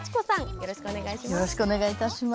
よろしくお願いします。